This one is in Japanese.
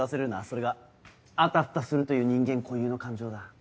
それが「あたふたする」という人間固有の感情だ。